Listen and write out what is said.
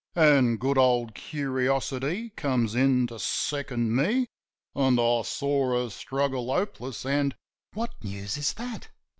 An' good old Curiosity comes in to second me. As I saw her struggle hopeless, an' "What news is that?"